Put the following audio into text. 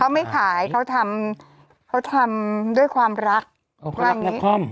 เขาไม่ขายเขาทำเขาทำด้วยความรักอ๋อเขารักน้าคอม